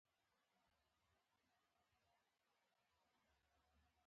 د سرو او سپینو پروا ونه ساتله.